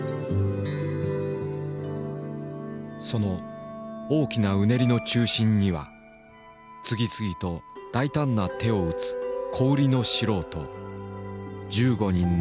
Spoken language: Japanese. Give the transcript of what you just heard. その大きな「うねり」の中心には次々と大胆な手を打つ「小売りの素人」１５人の姿があった。